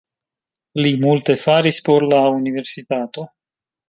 Li multe faris por la universitato.